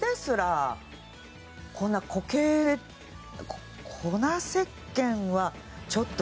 こんな固形粉せっけんはちょっと。